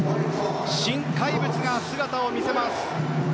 新怪物が姿を見せました。